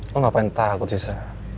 lo ngapain takut sih sa